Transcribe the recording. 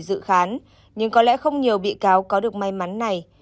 tôi đã tự khán nhưng có lẽ không nhiều bị cáo có được may mắn này